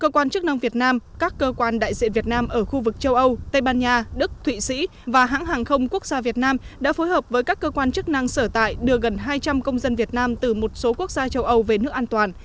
cơ quan chức năng việt nam các cơ quan đại diện việt nam ở khu vực châu âu tây ban nha đức thụy sĩ và hãng hàng không quốc gia việt nam đã phối hợp với các cơ quan chức năng sở tại đưa gần hai trăm linh công dân việt nam từ một số quốc gia châu âu về nước an toàn